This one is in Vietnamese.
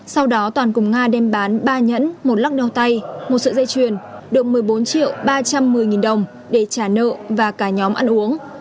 sau đó toàn cùng nga đem bán ba nhẫn một lắc đau tay một sợi dây chuyền được một mươi bốn triệu ba trăm một mươi đồng để trả nợ và cả nhóm ăn uống